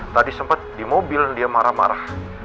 tadi sempat di mobil dia marah marah